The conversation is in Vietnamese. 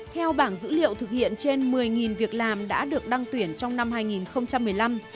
theo bảng dữ liệu thực hiện trên một mươi việc làm đã được đăng tuyển trong năm hai nghìn một mươi năm